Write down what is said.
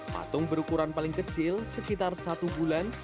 patung berukuran paling kecil sekitar satu bulan